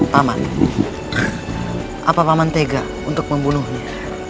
paman apa paman tega untuk membunuhnya